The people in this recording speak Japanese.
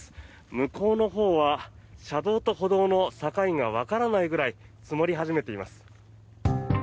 向こうのほうは車道と歩道の境がわからないぐらい積もり始めています。